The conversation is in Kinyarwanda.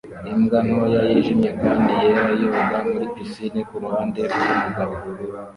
imbwa ntoya yijimye kandi yera yoga muri pisine kuruhande rwumugabo